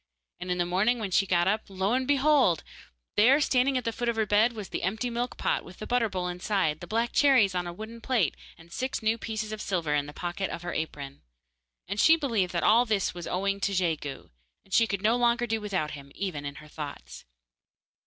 and in the morning when she got up, lo and behold! there were standing at the foot of her bed the empty milk pot with the butter bowl inside, the black cherries on the wooden plate, and six new pieces of silver in the pocket of her apron. And she believed that all this was owing to Jegu, and she could no longer do without him, even in her thoughts.